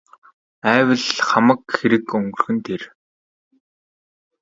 Айвал л хамаг хэрэг өнгөрөх нь тэр.